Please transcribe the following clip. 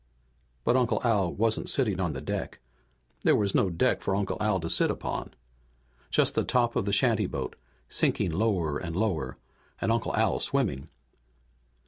But Uncle Al wasn't sitting on the deck. There was no deck for Uncle Al to sit upon. Just the top of the shantyboat, sinking lower and lower, and Uncle Al swimming.